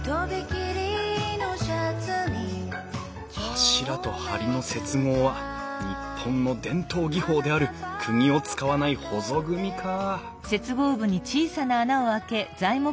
柱と梁の接合は日本の伝統技法であるくぎを使わないほぞ組みか